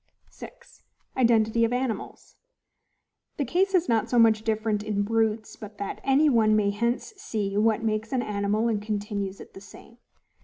6. Identity of Animals. The case is not so much different in BRUTES but that any one may hence see what makes an animal and continues it the same.